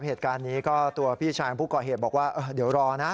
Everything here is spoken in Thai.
เหตุการณ์นี้ก็ตัวพี่ชายของผู้ก่อเหตุบอกว่าเดี๋ยวรอนะ